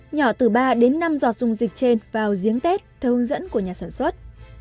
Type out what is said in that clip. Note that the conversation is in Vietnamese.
nhỏ từ ba đến năm giọt dung dịch trên vào giếng tết theo hướng dẫn của nhà sản xuất